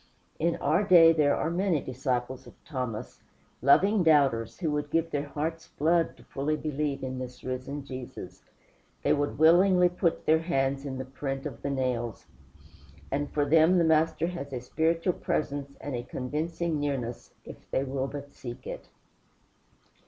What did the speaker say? In our day there are many disciples of Thomas, loving doubters, who would give their hearts' blood to fully believe in this risen Jesus; they would willingly put their hands in the print of the nails; and for them the Master has a spiritual presence and a convincing nearness, if they will but seek it.